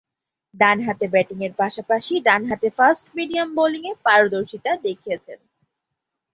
ডানহাতে ব্যাটিংয়ের পাশাপাশি ডানহাতে ফাস্ট-মিডিয়াম বোলিংয়ে পারদর্শিতা দেখিয়েছেন।